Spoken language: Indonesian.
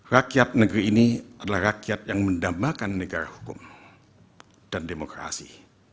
rakyat negeri ini adalah rakyat yang mendambakan negara hukum dan demokrasi